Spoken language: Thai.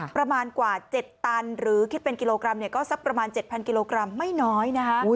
ประมาณกว่า๗ตันหรือคิดเป็นกิโลกรัมก็สักประมาณ๗๐๐กิโลกรัมไม่น้อยนะคะ